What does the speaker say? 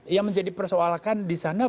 yang menjadi persoalakan disana